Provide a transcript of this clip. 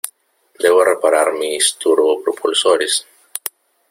Debo reparar mis turbopropulsores.